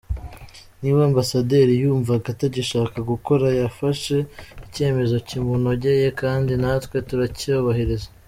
Niba ambasaderi yumvaga atagishaka gukora, yafashe icyemezo kimunogeye kandi natwe turacyubahiriza.